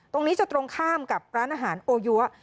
ตรงนี้จะตรงข้ามกับร้านอาหารโอยัว